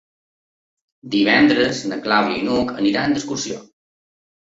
Divendres na Clàudia i n'Hug aniran d'excursió.